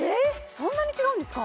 そんなに違うんですか？